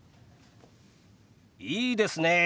いいですねえ。